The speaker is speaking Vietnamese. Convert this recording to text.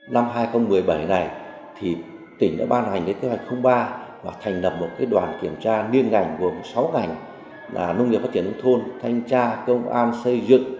năm hai nghìn một mươi bảy này thì tỉnh đã ban hành kế hoạch ba và thành lập một đoàn kiểm tra liên ngành gồm sáu ngành là nông nghiệp phát triển nông thôn thanh tra công an xây dựng